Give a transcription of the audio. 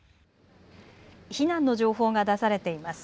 避難の情報が出されています。